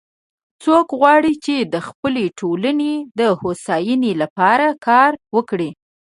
څوک غواړي چې د خپلې ټولنې د هوساینی لپاره کار وکړي